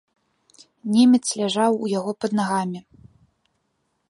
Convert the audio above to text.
Немец ляжаў у яго пад нагамі.